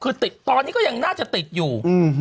คือติดตอนนี้ก็ยังน่าจะติดอยู่